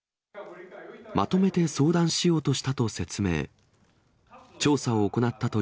まとめて相談しようとしたと説明。